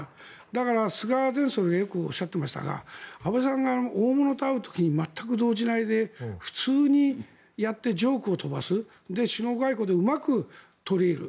だから、菅前総理がよくおっしゃっていましたが安倍さんが大物に会う時に全く動じないで、普通にやってジョークを飛ばす首脳外交でうまく取り入る。